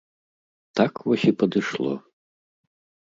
Так вось і падышло.